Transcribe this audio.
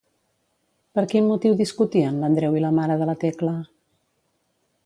Per quin motiu discutien l'Andreu i la mare de la Tecla?